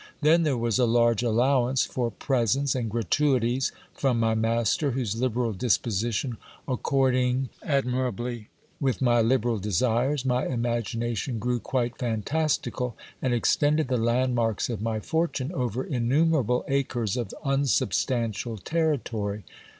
Then there was a large allowance for presents and gratuities from my master, whose liberal disposition according admirably with my liberal desires, my imagination grew quite fantastical, and extended the landmarks of my fortune over innumerable acres of unsubstantial territory.